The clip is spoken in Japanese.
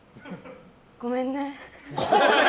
ごめんね。